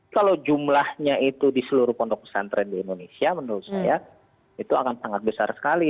kalau jumlahnya itu di seluruh pondok pesantren di indonesia menurut saya itu akan sangat besar sekali